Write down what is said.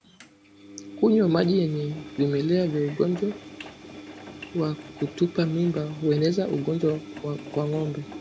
Kunywa maji yenye vimelea vya ugonjwa wa kutupa mimba hueneza ugonjwa kwa ngombe